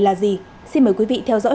là gì xin mời quý vị theo dõi